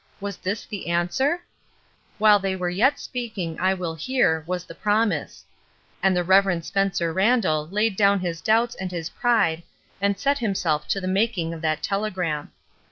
Was this the answer ? "While they are yet speaking, I will hear," was the promise. And the Rev. Spencer Randall laid down CHILDREN OF ONE FATHER 385 his doubts and his pride and set himself to the making of that telegram.